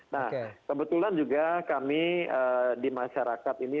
nah kebetulan juga kami di masyarakat ini